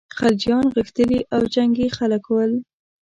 خلجیان غښتلي او جنګي خلک ول.